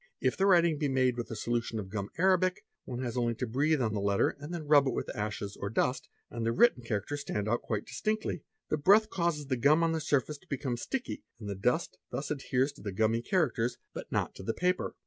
If the writing be made with a solution of gum arabic, one has only to breathe on the letter and then rub it with ashes or dust, and the written characters stand out quite distinctly. The breath causes the gum on the surface to become sticky, and the dust thus adheres to the gummy characters but not to the paper.